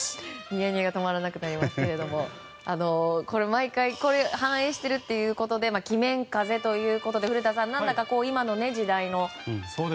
ニヤニヤが止まらなくなりますが毎回、反映しているということで鬼面風邪ということで古田さん、なんだか今の時代の。